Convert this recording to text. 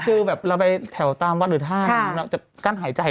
คือเราไปแถวตามวัดหรือทางจะกั้นหายใจไป